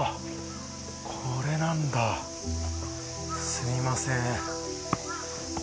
すいません。